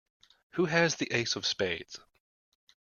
Who has the ace of spades?